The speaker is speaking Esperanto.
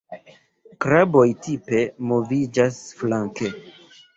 Kraboj tipe moviĝas flanke.